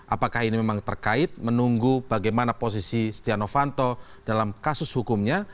apakah ini memang terkait menunggu bagaimana posisi stiano fanto dalam kasus hukumnya